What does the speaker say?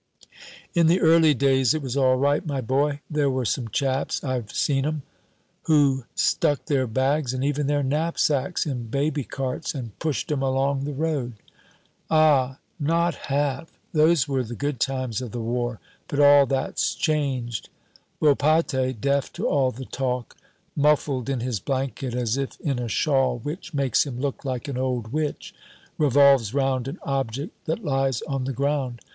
"In the early days it was all right, my boy. There were some chaps I've seen 'em who stuck their bags and even their knapsacks in baby carts and pushed 'em along the road." "Ah, not half! Those were the good times of the war. But all that's changed." Volpatte, deaf to all the talk, muffled in his blanket as if in a shawl which makes him look like an old witch, revolves round an object that lies on the ground.